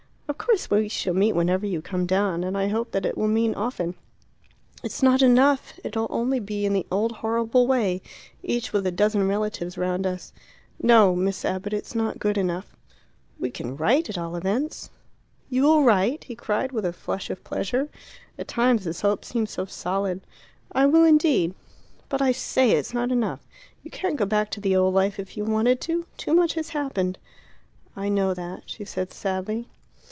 "Of course we shall meet whenever you come down; and I hope that it will mean often." "It's not enough; it'll only be in the old horrible way, each with a dozen relatives round us. No, Miss Abbott; it's not good enough." "We can write at all events." "You will write?" he cried, with a flush of pleasure. At times his hopes seemed so solid. "I will indeed." "But I say it's not enough you can't go back to the old life if you wanted to. Too much has happened." "I know that," she said sadly.